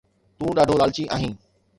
تون ڏاڍو لالچي آهين